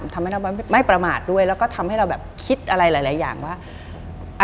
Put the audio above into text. ทำให้เราไม่ประมาทด้วยแล้วก็ทำให้เราแบบคิดอะไรหลายอย่างว่า